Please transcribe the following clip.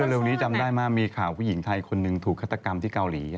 เร็วนี้จำได้ไหมมีข่าวผู้หญิงไทยคนหนึ่งถูกฆาตกรรมที่เกาหลี